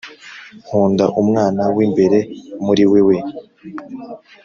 nkunda umwana w'imbere muri wewe